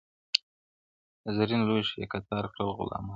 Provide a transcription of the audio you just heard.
زرین لوښي یې کتار کړل غلامانو-